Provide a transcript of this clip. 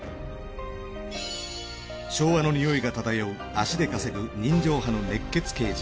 昭和のにおいが漂う足で稼ぐ人情派の熱血刑事。